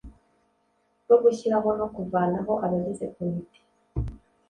rwo gushyiraho no kuvanaho abagize komite